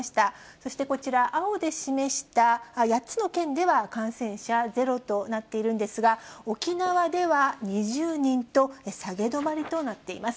そしてこちら、青で示した８つの県では感染者ゼロとなっているんですが、沖縄では２０人と、下げ止まりとなっています。